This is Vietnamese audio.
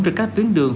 trên các tuyến đường